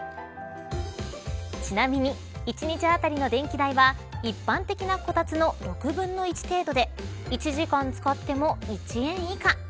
ちなみに１日当たりの電気代は一般的なこたつの６分の１程度で１時間使っても１円以下。